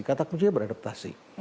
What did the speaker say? kataku juga beradaptasi